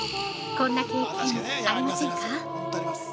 こんな経験ありませんか。